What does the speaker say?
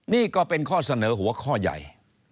นี่ก็เป็นข้อเสนอหัวข้อใหญ่